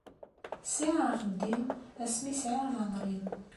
Sɛiɣ axeddim asmi sɛiɣ leɛmeṛ-im.